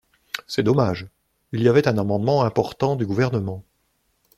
C’est dommage, il y avait un amendement important du Gouvernement.